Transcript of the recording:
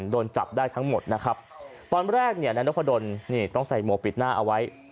โดนจับได้ทั้งหมดตอนแรกนี่นายนกภดลต้องใส่หมวกปิดหน้าเอาไว้